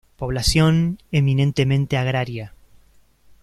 Población eminentemente agraria.